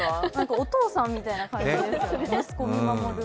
お父さんみたいな感じですよね、息子を見守る。